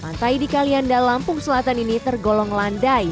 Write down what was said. pantai di kalian dan lampung selatan ini tergolong landai